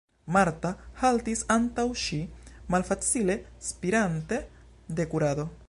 Marta haltis antaŭ ŝi, malfacile spirante de kurado.